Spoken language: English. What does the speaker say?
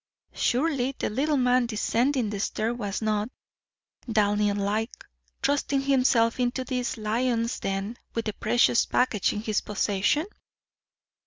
Surely the little man descending the stair was not, Daniel like, thrusting himself into this lion's den with the precious package in his possession?